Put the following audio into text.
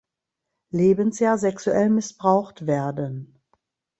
Lebensjahr sexuell missbraucht werden.